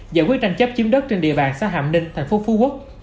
giải quyết tranh chấp chiếm đất trên địa bàn xã hàm ninh thành phố phú quốc